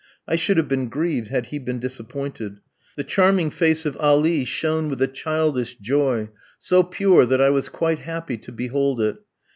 I should have been grieved had he been disappointed. The charming face of Ali shone with a childish joy, so pure that I was quite happy to behold it.